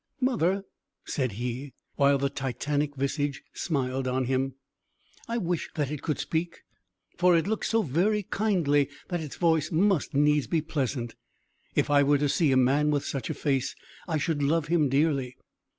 "Mother," said he, while the Titanic visage smiled on him, "I wish that it could speak, for it looks so very kindly that its voice must needs be pleasant. If I were to see a man with such a face, I should love him dearly."